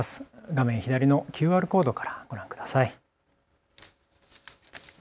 画面左のＱＲコードからご覧ください。